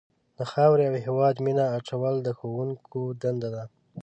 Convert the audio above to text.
د خاورې او هېواد مینه اچول د ښوونکو دنده ده.